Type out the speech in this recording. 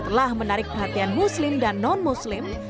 telah menarik perhatian muslim dan non muslim